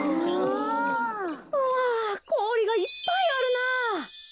わこおりがいっぱいあるなぁ。